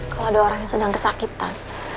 kalau ada orang yang sedang kesakitan